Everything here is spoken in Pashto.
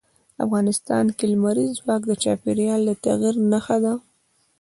افغانستان کې لمریز ځواک د چاپېریال د تغیر نښه ده.